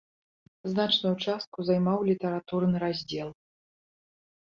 Значную частку займаў літаратурны раздзел.